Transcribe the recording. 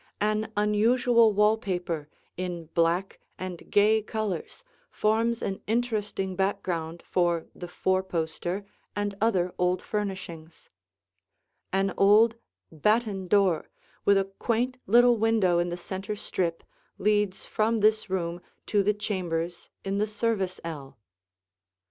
An unusual wall paper in black and gay colors forms an interesting background for the four poster and other old furnishings. An old batten door with a quaint little window in the center strip leads from this room to the chambers in the service ell.